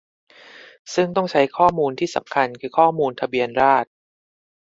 ซึ่งต้องใช้ข้อมูลที่สำคัญคือข้อมูลทะเบียนราษฎร์